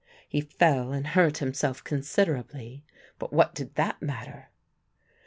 He fell and hurt himself considerably, but what did that matter?